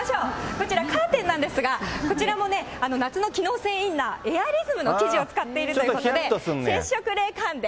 こちら、カーテンなんですが、こちらもね、夏の機能性インナー、エアリズムの生地を使っているということで、接触冷感で。